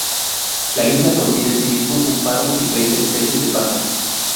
La isla contiene asimismo un faro y treinta especies de pájaros.